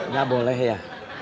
gak boleh ya